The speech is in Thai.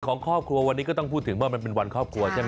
ของครอบครัววันนี้ก็ต้องพูดถึงว่ามันเป็นวันครอบครัวใช่ไหม